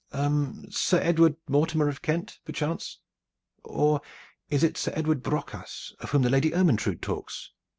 "Sir Edward Mortimer of Kent, perchance, or is it Sir Edward Brocas of whom the Lady Ermyntrude talks?"